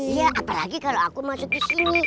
iya apalagi kalau aku masuk disini